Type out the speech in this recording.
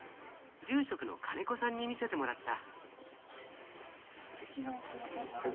住職の金子さんに見せてもらった。